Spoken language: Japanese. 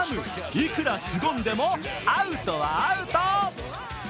いくらすごんでもアウトはアウト。